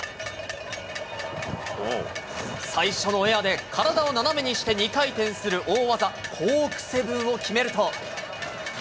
最初のエアで、体を斜めにして２回転する大技、コークセブンを決めると。